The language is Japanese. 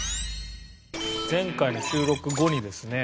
前回の収録後にですね